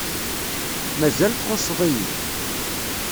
Mazal txuṣṣeḍ-iyi.